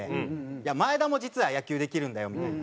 いや前田も実は野球できるんだよみたいな。